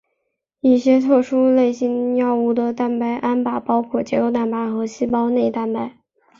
一些特殊类型药物的蛋白靶点包括结构蛋白和细胞内蛋白。